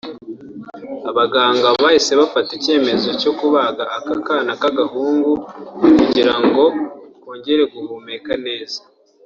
Abaganga bahise bafata icyemezo cyo kubaga aka kana k’agahungu kugira ngo kongere guhumeka neza